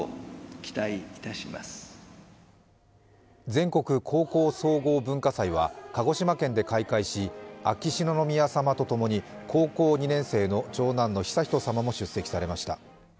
全国高校総合文化祭は鹿児島県で開会し、秋篠宮さまとともに、高校２年生の長男の悠仁さまも出席されました。